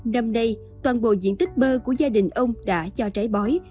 năm nay toàn bộ diện tích bơ của gia đình ông đã cho trái bói